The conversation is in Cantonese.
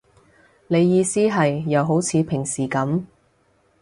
你意思係，又好似平時噉